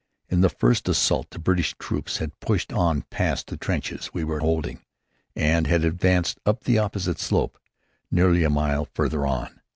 In the first assault the British troops had pushed on past the trenches we were holding and had advanced up the opposite slope, nearly a mile farther on.